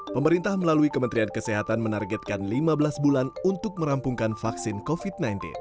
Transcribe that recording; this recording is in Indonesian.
pemerintah melalui kementerian kesehatan menargetkan lima belas bulan untuk merampungkan vaksin covid sembilan belas